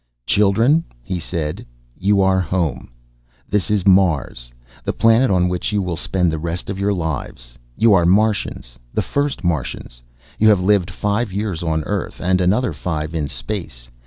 "Children," he said, "you are home. This is Mars, the planet on which you will spend the rest of your lives. You are Martians, the first Martians. You have lived five years on Earth and another five in space.